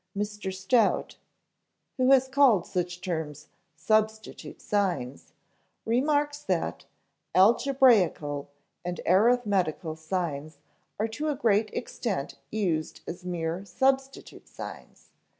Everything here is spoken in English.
Mr. Stout (who has called such terms "substitute signs")remarks that "algebraical and arithmetical signs are to a great extent used as mere substitute signs....